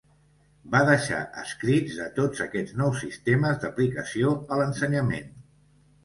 Va deixar escrits de tots aquests nous sistemes d'aplicació a l'ensenyament.